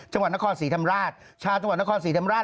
จังหวัดนครศรีธรรมราชชาวจังหวัดนครศรีธรรมราช